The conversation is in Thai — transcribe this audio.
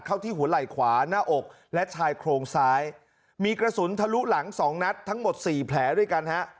ที่หัวไหล่ขวาหน้าอกและชายโครงซ้ายมีกระสุนทะลุหลังสองนัดทั้งหมดสี่แผลด้วยกันฮะ